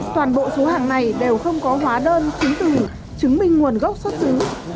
toàn bộ số hàng này đều không có hóa đơn chứng từ chứng minh nguồn gốc xuất xứ